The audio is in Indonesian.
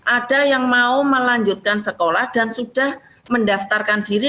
ada yang mau melanjutkan sekolah dan sudah mendaftarkan diri